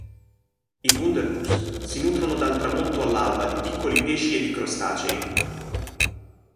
I wunderpus si nutrono dal tramonto all'alba di piccoli pesci e di crostacei.